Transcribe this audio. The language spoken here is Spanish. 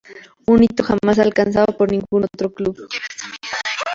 Un hito jamás alcanzada por ningún otro club.